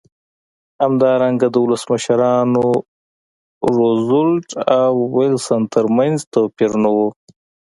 همدارنګه د ولسمشرانو روزولټ او ویلسن ترمنځ توپیر نه و.